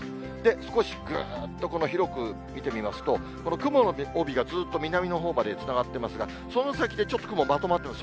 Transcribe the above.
少しぐっと広く見てみますと、この雲の帯が、ずっと南のほうまでつながっていますが、その先でちょっと雲、まとまってます。